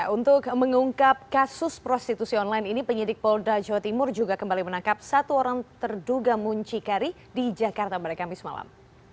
untuk mengungkap kasus prostitusi online ini penyidik polda jawa timur juga kembali menangkap satu orang terduga muncikari di jakarta pada kamis malam